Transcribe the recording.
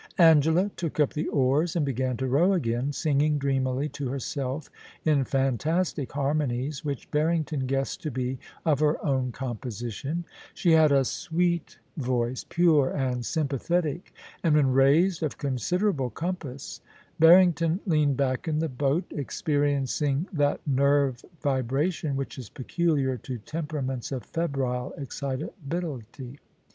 Angela took up the oars and began to row again, singing dreamily to herself in fantastic harmonies, which Barrington guessed to be of her own composition. She had a sweet I20 POLICY AND PASSION. voice, pure and sympathetic, and, when raised, of consider able compass. Barrington leaned back in the boat, expe riencing that nerve vibration which is peculiar to tempera ments of febrile excitability.